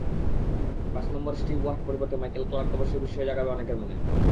পাঁচ নম্বরে স্টিভ ওয়াহর পরিবর্তে মাইকেল ক্লার্ক অবশ্যই বিস্ময় জাগাবে অনেকের মনে।